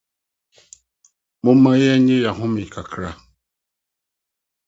Momma yennye yɛn ahome kakra.